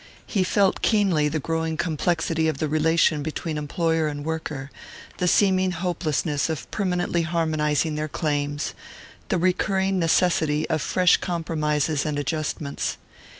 He felt keenly the growing complexity of the relation between employer and worker, the seeming hopelessness of permanently harmonizing their claims, the recurring necessity of fresh compromises and adjustments.